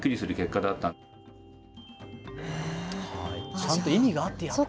ちゃんと意味があってやってる。